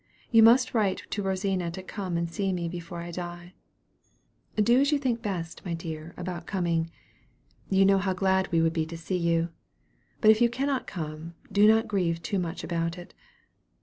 You must write to Rosina to come and see me before I die.' Do as you think best, my dear, about coming. You know how glad we would be to see you. But if you cannot come, do not grieve too much about it.